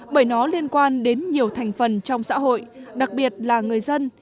bởi nó liên quan đến nhiều thành phần trong xã hội đặc biệt là người dân